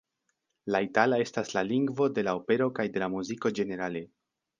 La itala estas la lingvo de la opero kaj de la muziko ĝenerale.